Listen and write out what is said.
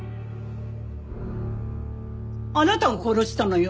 あなたが殺したのよ。